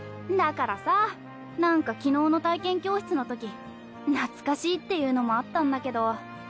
だからさぁなんか昨日の体験教室のとき懐かしいっていうのもあったんだけど。